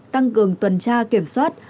tăng cường tuần tra kiểm soát